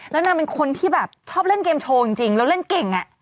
แล้วนางเป็นคนที่แบบชอบเล่นเกมโชว์จริงแล้วเล่นเก่ง